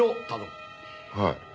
はい。